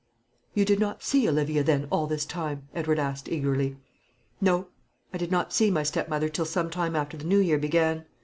"You did not see Olivia, then, all this time?" Edward asked eagerly. "No; I did not see my stepmother till some time after the New Year began.